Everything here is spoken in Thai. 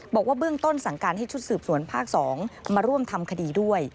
บอกว่าเบื้องต้นสั่งการให้ชุดสืบสวนภาค๒มาร่วมทำคดีด้วย